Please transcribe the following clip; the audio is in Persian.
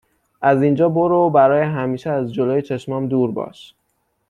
از اینجا برو و برای همیشه از جلوی چشمام دور باش